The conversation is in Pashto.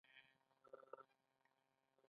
بېعدالتي د ټولنې باور له منځه وړي.